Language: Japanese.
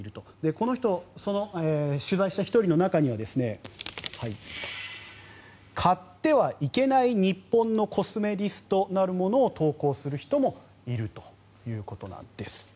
この人、取材した１人の中には買ってはいけない日本のコスメリストなるものを投稿する人もいるということなんです。